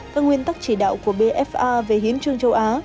các nguyên tắc chỉ đạo của bfa về hiến trương châu á